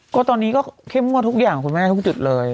ก็ตอนนี้เข้มงว่าทุกอย่างทุกจุดเลย